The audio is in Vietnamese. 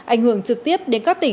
ảnh hưởng trực tiếp đến các tỉnh